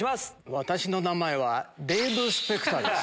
私の名前はデーブ・スペクターです。